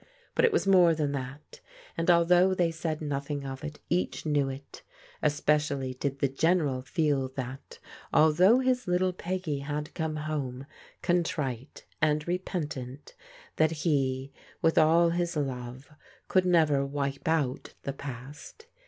But it was more than that, and although they said nothing of it, each knew it. Especially did the General feel that, although his little Peggy had come home, con trite and repentant, that he, with all his love, could never wipe out the past.